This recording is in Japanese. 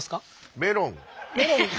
メロン。